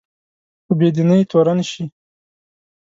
په بې دینۍ تورن شي